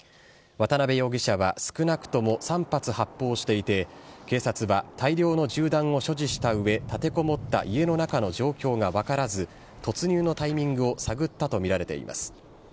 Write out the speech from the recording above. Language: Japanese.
渡辺容疑者は、少なくとも３発発砲していて、警察は大量の銃弾を所持したうえ、立てこもった家の中の状況が分からず、突入のタイミングを探ったと見られています。